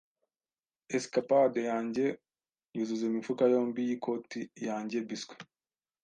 escapade yanjye yuzuza imifuka yombi yikoti yanjye biscuit.